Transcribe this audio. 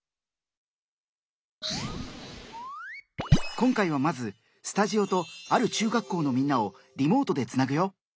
今回はまずスタジオとある中学校のみんなをリモートでつなぐよ！